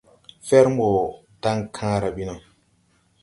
Fɛr mbɔ daŋkããra ɓi no.